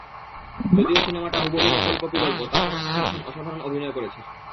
যদিও সিনেমাটা হুবহু নকল কপি গল্প, তারপরও শাকিব খান অসাধারণ অভিনয় করেছে।